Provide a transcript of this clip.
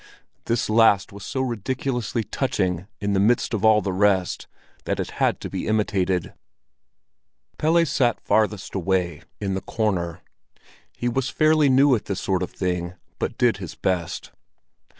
This last was so ridiculously touching in the midst of all the rest, that it had to be imitated. Pelle sat farthest away, in the corner. He was fairly new at this sort of thing, but did his best.